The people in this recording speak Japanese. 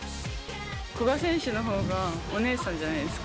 古賀選手のほうがお姉さんじゃないですか。